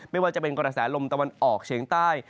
ไม่ว่าจะเป็นกระแสลมตะวันออกเฉียงใต้